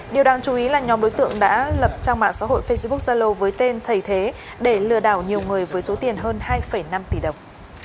điều đáng chú ý là nhóm đối tượng đã lập trang mạng xã hội facebook zalo với tên thầy thế để lừa đảo nhiều người với số tiền hơn hai năm tỷ đồng